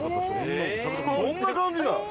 そんな感じなん！？